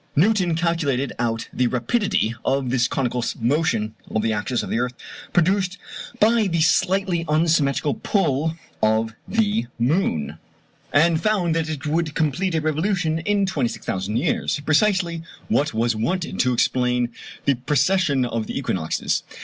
Newton calculated out the rapidity of this conical motion of the axis of the earth, produced by the slightly unsymmetrical pull of the moon, and found that it would complete a revolution in 26,000 years precisely what was wanted to explain the precession of the equinoxes.